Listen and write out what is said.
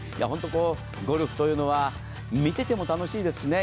ゴルフというのは見てても楽しいですしね。